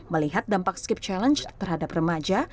melihat dampak skip challenge terhadap remaja